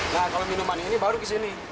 nah kalau minuman ini baru ke sini